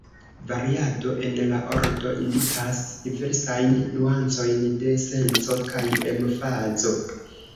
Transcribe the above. Variado en la ordo indikas diversajn nuancojn de senco kaj emfazo.